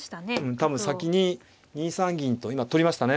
多分先に２三銀と今取りましたね。